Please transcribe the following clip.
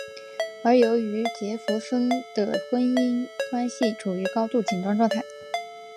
而由于杰佛逊的婚姻关系处于高度紧张状态。